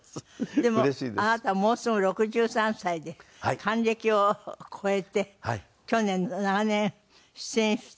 でもあなたもうすぐ６３歳で還暦を超えて去年長年出演していらっしゃった。